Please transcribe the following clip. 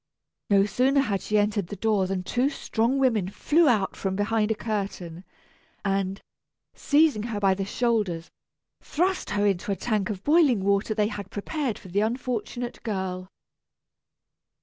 No sooner had she entered the door than two strong women flew out from behind a curtain, and, seizing her by the shoulders, thrust her into a tank of boiling water they had prepared for the unfortunate girl.